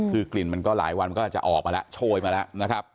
คือกลิ่นมันก็หลายวันก็อาจจะออกมาแล้วโชยมาแล้วนะครับ